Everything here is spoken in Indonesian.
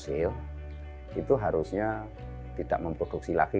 itu harusnya tidak memproduksi lagi